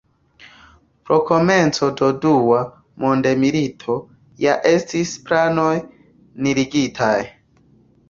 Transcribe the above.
Pro komenco de dua mondmilito ja estis planoj nuligitaj.